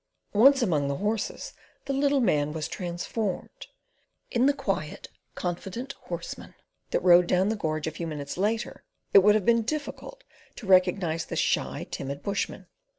Once among the horses, the little man was transformed. In the quiet, confident horseman that rode down the gorge a few minutes later it would have been difficult to recognise the shy, timid bushman.